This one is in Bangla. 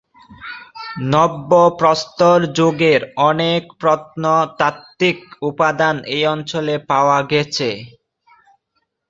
নব্যপ্রস্তর যুগের অনেক প্রত্নতাত্ত্বিক উপাদান এই অঞ্চলে পাওয়া গেছে।